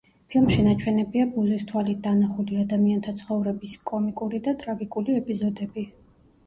ფილმში ნაჩვენებია ბუზის თვალით დანახული ადამიანთა ცხოვრების კომიკური და ტრაგიკული ეპიზოდები.